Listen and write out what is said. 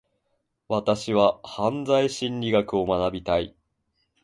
私は犯罪心理学を学びたい。